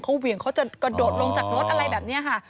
เขาเหวี่ยงเขาจะกระโดดลงจากรถอะไรแบบนี้ค่ะ